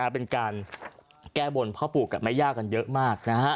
เป็นการแก้บนพ่อปู่กับแม่ย่ากันเยอะมาก